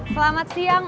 selamat siang om